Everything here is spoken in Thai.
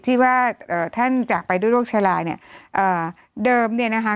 ที่ว่าเอ่อท่านจากไปด้วยโรคชะลาเนี่ยเอ่อเดิมเนี่ยนะคะ